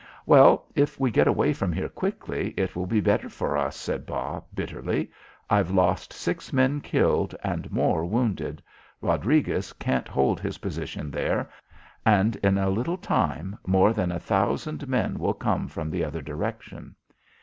"Well, if we get away from here quickly it will be better for us," said Bas, bitterly. "I've lost six men killed, and more wounded. Rodriguez can't hold his position there, and in a little time more than a thousand men will come from the other direction."